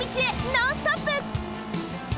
ノンストップ！